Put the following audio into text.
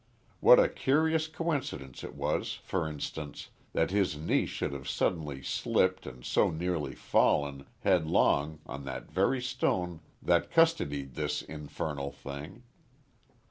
What a curious coincidence it was, for instance, that his niece should have suddenly slipped and so nearly fallen, headlong, on that very stone that custodied this infernal thing!